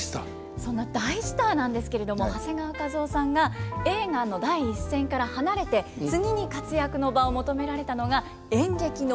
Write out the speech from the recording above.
そんな大スターなんですけれども長谷川一夫さんが映画の第一線から離れて次に活躍の場を求められたのが演劇の舞台だということなんです。